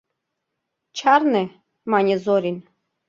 — Чарне, — мане Зорин.